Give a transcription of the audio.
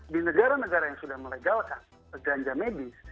di negara negara yang sudah melegalkan ganja medis